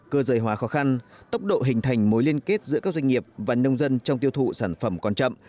cơ giới hóa khó khăn tốc độ hình thành mối liên kết giữa các doanh nghiệp và nông dân trong tiêu thụ sản phẩm còn chậm